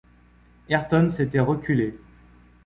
Ayrton s’était reculé.